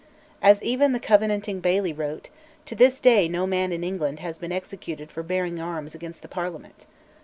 As even the Covenanting Baillie wrote, "to this day no man in England has been executed for bearing arms against the Parliament."